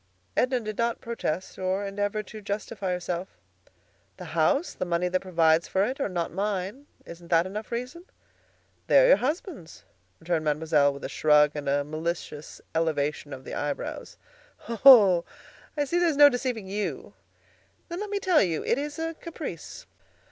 Edna did not protest or endeavor to justify herself. "The house, the money that provides for it, are not mine. Isn't that enough reason?" "They are your husband's," returned Mademoiselle, with a shrug and a malicious elevation of the eyebrows. "Oh! I see there is no deceiving you. Then let me tell you: It is a caprice.